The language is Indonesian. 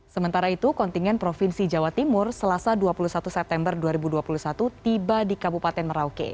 sementara itu kontingen provinsi jawa timur selasa dua puluh satu september dua ribu dua puluh satu tiba di kabupaten merauke